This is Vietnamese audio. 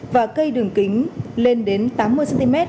và cây đường kính lên đến tám mươi cm